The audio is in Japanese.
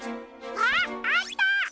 あっあった！